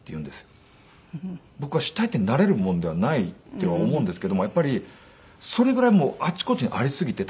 僕は死体って慣れるもんではないって思うんですけどもやっぱりそれぐらいあちこちにありすぎて。